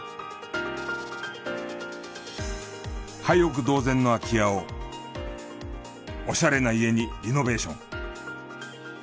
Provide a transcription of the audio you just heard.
廃屋同然の空き家をおしゃれな家にリノベーション。